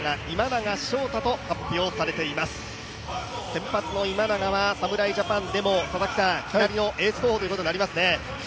先発の今永は侍ジャパンでも左のエース候補ということになりますね。